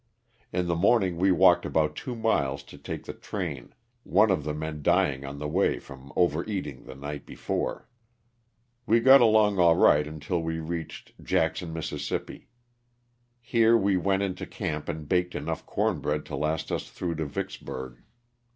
In the morning we walked about two miles to take the train, one of the men dying on the way from overeating the night before. We got along all right until we reached Jackson, Miss. Here we went into camp and baked enough corn bread to last us through to Vicksburg.